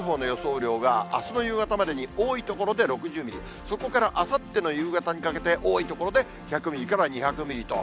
雨量が、あすの夕方までに多い所で６０ミリ、そこから、あさっての夕方にかけて多い所で１００ミリから２００ミリと。